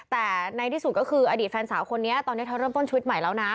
แต่ในที่สุดก็คืออดีตแฟนสาวคนนี้ตอนนี้เธอเริ่มต้นชีวิตใหม่แล้วนะ